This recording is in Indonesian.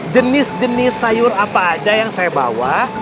jenis jenis sayur apa aja yang saya bawa